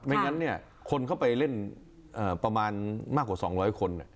งั้นคนเข้าไปเล่นประมาณมากกว่า๒๐๐คน